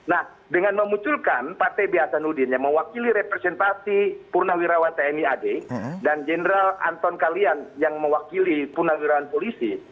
nah dengan memunculkan partai biasa nudin yang mewakili representasi purnawirawan tni ad dan jenderal anton kalian yang mewakili purnawirawan polisi